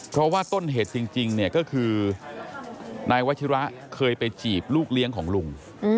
เพราะว่าต้นเหตุจริงเนี่ยก็คือนายวัชิระเคยไปจีบลูกเลี้ยงของลุง